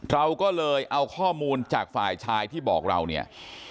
เราก็เลยเอาข้อมูลจากฝ่ายชายที่บอกเราเนี่ย